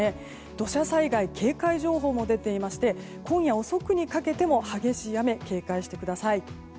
土砂災害警戒情報も出ていまして今夜遅くにかけても激しい雨に警戒してください。